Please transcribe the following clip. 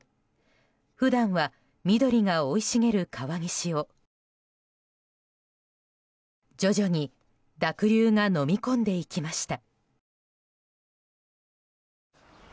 普段は緑が生い茂る川岸を徐々に濁流がのみ込んでいきました。